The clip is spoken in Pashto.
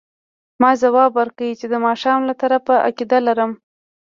ما ځواب ورکړ چې د ماښام له طرفه عقیده لرم.